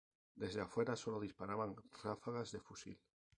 Desde afuera solo disparaban ráfagas de fusil.